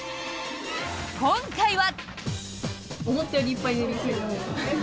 今回は。